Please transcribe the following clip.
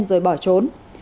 rồi bỏ trốn